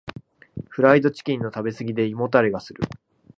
フライドチキンの食べ過ぎで胃もたれがする。